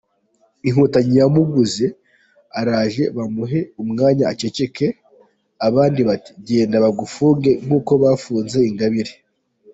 Inkotanyi yamuguze, araje bamuhe umwanya aceceke’, abandi bati ‘genda bagufunge nk’uko bafunze Ingabire.